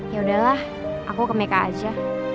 yaudahlah aku ke meka aja